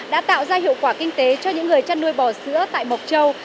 đã tạo ra hiệu quả kinh tế cho những người chăn nuôi bò sữa tại mộc châu